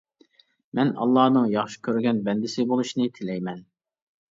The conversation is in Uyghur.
! مەن ئاللانىڭ ياخشى كۆرگەن بەندىسى بولۇشنى تىلەيمەن!